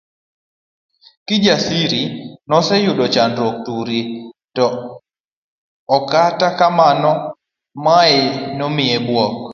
Kijasiri noseyudo chandruok turi, to akata kamano mae nomiye buok.